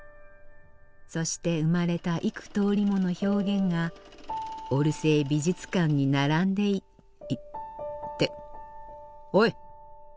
そして生まれた幾とおりもの表現がオルセー美術館に並んでいっておい！